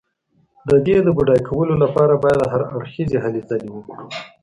د دې د بډای کولو لپاره باید هر اړخیزې هلې ځلې وکړو.